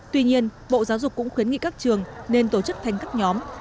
tuy nhiên bộ giáo dục cũng khuyến nghị các trường nên tổ chức thành các nhóm